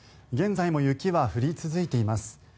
現在も雪は降り続いています。